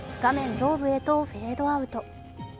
上部へとフェードアウト。